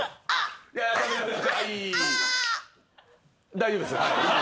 大丈夫ですはい。